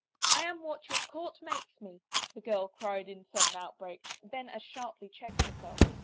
" I am what your court makes me," the girl cried in sudden outbreak, then as sharply checked herself.